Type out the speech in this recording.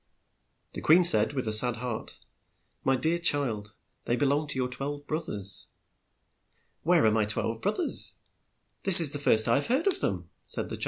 " Then the queen said, with a sad heart, "My dear child, they be long to your twelve broth ers." "Where are my twelve brothers? This is the first time I have heard of them," said the child.